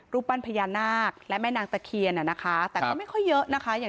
รูปบ้านพญานาคและแม่นางตะเคียนแต่ก็ไม่ค่อยเยอะนะคะ